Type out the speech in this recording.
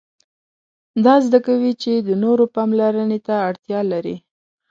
دا زده کوي چې د نورو پاملرنې ته اړتیا لري.